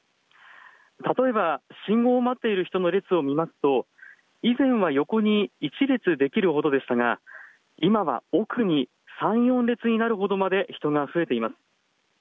例えば信号を待っている人の列を見ますと、以前は横に１列できるほどでしたが今は奥に３、４列になるほどまで人が増えています。